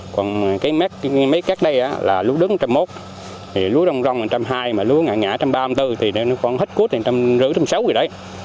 còn mấy cát đây là lúa đứng một trăm linh một lúa rong rong một trăm hai mươi lúa ngã ngã một trăm ba mươi một trăm bốn mươi thì nó còn hết cút một trăm năm mươi một trăm sáu mươi rồi đấy